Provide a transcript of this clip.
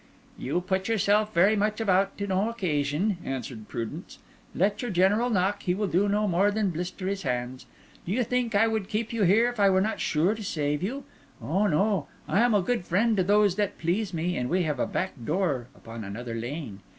"You put yourself very much about with no occasion," answered Prudence. "Let your General knock, he will do no more than blister his hands. Do you think I would keep you here if I were not sure to save you? Oh, no, I am a good friend to those that please me! and we have a back door upon another lane.